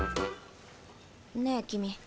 ねえ君。